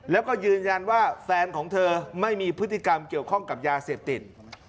แล้วก็ยืนยันว่าแฟนของเธอไม่มีพฤติกรรมเกี่ยวข้องกับยาเสพติด